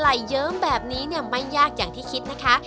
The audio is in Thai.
เยิ้มแบบนี้เนี่ยไม่ยากอย่างที่คิดนะคะ